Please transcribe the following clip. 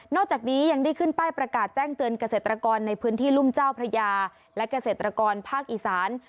จากนี้ยังได้ขึ้นป้ายประกาศแจ้งเตือนเกษตรกรในพื้นที่รุ่มเจ้าพระยาและเกษตรกรภาคอีสาน